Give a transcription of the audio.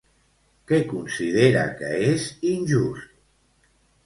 Què considera que és injust?